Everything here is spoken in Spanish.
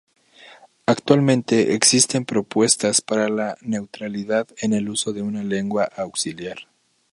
Actualmente existen propuestas para la neutralidad en el uso de una lengua auxiliar.